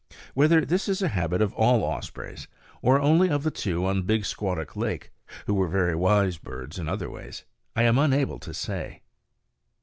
Whether this is a habit of all ospreys, or only of the two on Big Squatuk Lake who were very wise birds in other ways I am unable to say.